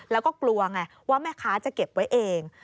แล้วก็กลัวไงว่าแม่ค้าจะเก็บไว้เอง